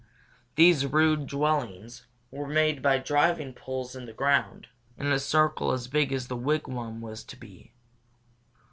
These rude dwellings were made by driving poles in the ground, in a circle as big as the wigwam was to be.